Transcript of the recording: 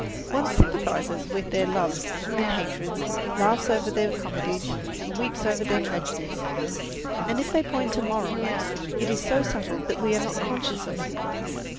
One sympathizes with their loves and hatreds, laughs over their comedies, and weeps over their tragedies. And if they point a moral, it is so subtle that we are not conscious of it.